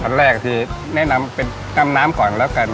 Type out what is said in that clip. อันแรกที่แนะนำเป็นตำน้ำก่อนแล้วกัน